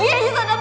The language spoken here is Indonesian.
dan pergi kejamu